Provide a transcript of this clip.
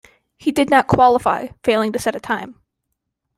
He did not qualify, failing to set a time.